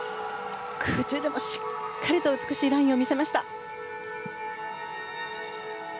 空中でもしっかりと美しいラインを見せました。